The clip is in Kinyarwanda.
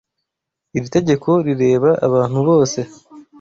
Iri tegeko rireba abantu bose.